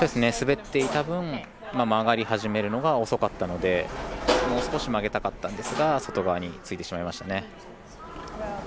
滑っていた分曲がり始めるのが遅かったのでもう少し曲げたかったんですが外側についてしまいましたね。